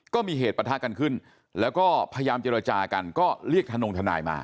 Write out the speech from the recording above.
ก็มีเหตุประทะกันขึ้นแล้วก็พยายามเจรจากันก็เรียกธนงทนายมา